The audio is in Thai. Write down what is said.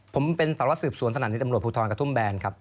ผมเป็นสารวัสสืบสวนสถานีตำรวจภูทรกระทุ่มแบนครับ